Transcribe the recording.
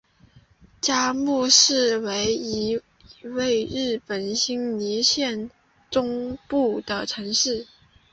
加茂市为一位于日本新舄县中部的城市。